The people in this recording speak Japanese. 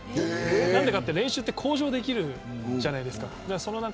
何でかって、練習は向上できるじゃないですか。